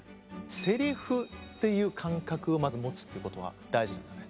セリフという感覚をまず持つということは大事なんですよね。